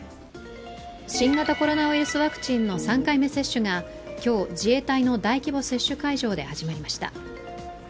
新型コロナウイルスワクチンの３回目の接種が今日、自衛隊の大規模接種会場で始まりました。